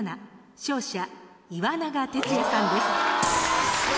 勝者岩永徹也さんです。